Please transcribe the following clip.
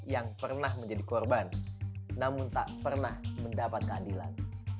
yang pernah menjadi korban namun tak pernah mendapat keadilan